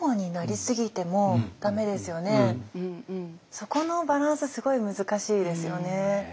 そこのバランスすごい難しいですよね。